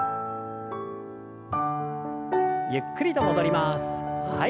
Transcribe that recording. ゆっくりと戻ります。